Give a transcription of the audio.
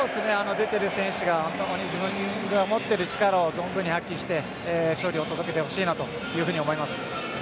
出ている選手が自分の持っている力を存分に発揮して勝利を届けてほしいなというふうに思います。